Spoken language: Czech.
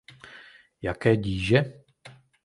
Jaké díže?